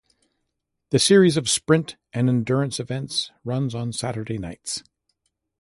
The series of sprint and endurance events runs on Saturday nights.